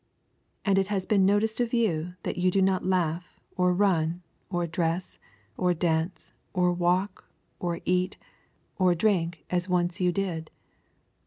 And it has been noticed of you that you do not laugh, or run, or dress, or dance, or walk, or eat, or drink as once you did.